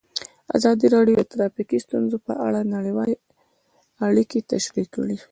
ازادي راډیو د ټرافیکي ستونزې په اړه نړیوالې اړیکې تشریح کړي.